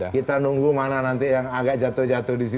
kita nunggu mana nanti yang agak jatuh jatuh di situ